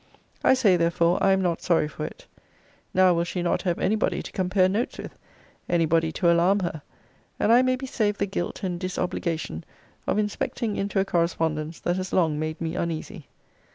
I say, therefore, I am not sorry for it: now will she not have any body to compare notes with: any body to alarm her: and I may be saved the guilt and disobligation of inspecting into a correspondence that has long made me uneasy.